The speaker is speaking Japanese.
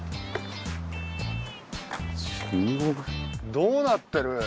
どうなってる？